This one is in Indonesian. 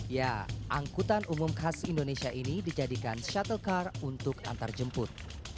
ya angkutan umum khas indonesia ini dijadikan shuttle car untuk antarjemput